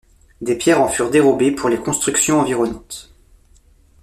Des pierres en furent dérobés pour les constructions environnantes.